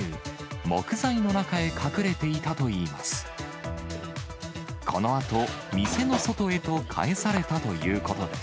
木材の中へ隠れていたといいます。